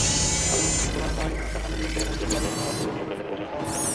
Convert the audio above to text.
আবেদনে বলা হয়, হাসান আলীর বিরুদ্ধে মুক্তিযুদ্ধকালে মানবতাবিরোধী অপরাধের অভিযোগে তদন্ত চলছে।